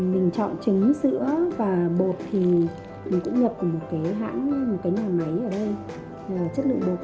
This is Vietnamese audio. mình chọn trứng sữa và bột thì mình cũng nhập một cái hãng một cái nhà máy ở đây là chất lượng bột